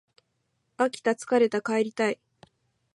飽きた疲れた帰りたい